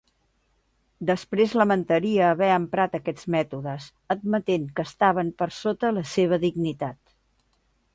Després lamentaria haver emprat aquests mètodes, admetent que estaven per sota la seva dignitat.